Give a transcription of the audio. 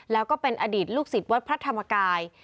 แล้วก็เป็นอดีตลูกศิษย์วัดพระธรรมกาย